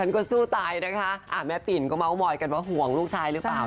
ก็เหมาะบอกมากกันว่าห่วงลูกชายหรือป่าว